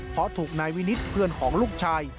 เพราะถูกนายวินิตเพื่อนของลูกชาย